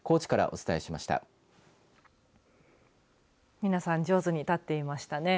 皆さん上手に立っていましたね。